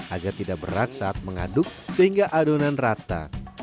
agar tidak berat saat mengaduk sehingga adonan rata